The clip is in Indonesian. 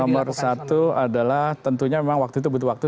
nomor satu adalah tentunya memang waktu itu butuh waktu